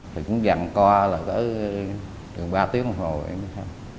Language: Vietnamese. thì cũng dặn qua là có gần ba tiếng một hồi